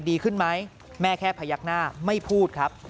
ดีขึ้นไหมแม่แค่พยักหน้าไม่พูดครับ